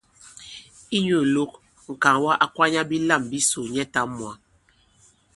Inyū ìlok, ŋ̀kàŋwa a kwanya bilâm bisò nyɛtām mwǎ.